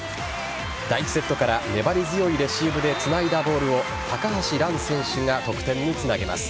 第１セットから粘り強いレシーブでつないだボールを高橋藍選手が得点につなげます。